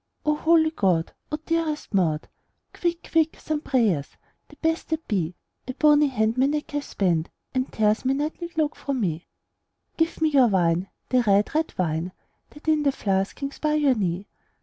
"O holy God! O dearest Maud, Quick, quick, some prayers, the best that be! A bony hand my neck has spanned, And tears my knightly cloak from me!" "Give me your wine, the red, red wine, That in the flask hangs by your knee!